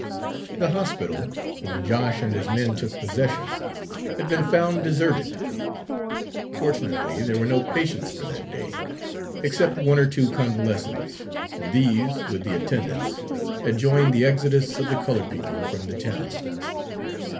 The hospital, when Josh and his men took possession, had been found deserted. Fortunately there were no patients for that day, except one or two convalescents, and these, with the attendants, had joined the exodus of the colored people from the town.